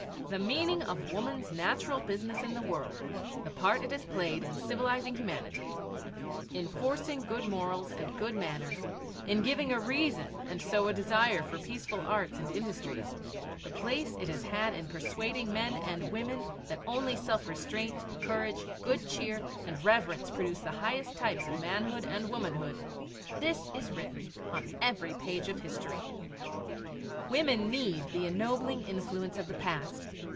The meaning of woman's natural business in the world the part it has played in civilizing humanity in forcing good morals and good manners, in giving a reason and so a desire for peaceful arts and industries, the place it has had in persuading men and women that only self restraint, courage, good cheer, and reverence produce the highest types of manhood and womanhood, this is written on every page of history. Women need the ennobling influence of the past.